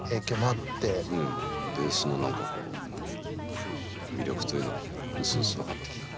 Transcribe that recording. ベースの何かこう魅力というのがうすうす分かってきた。